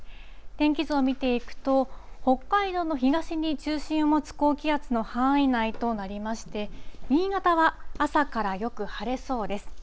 天気図を見ていくと、北海道の東に中心を持つ高気圧の範囲内となりまして、新潟は朝からよく晴れそうです。